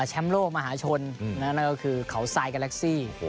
แชมป์โลกมหาชนอืมนั่นก็คือเขาไซด์กาแร็กซี่โอ้โห